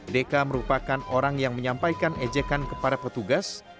deka merupakan orang yang menyampaikan ejekan kepada petugas